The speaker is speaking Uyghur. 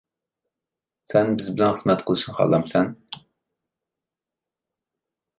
-سەن بىز بىلەن خىزمەت قىلىشنى خالامسەن؟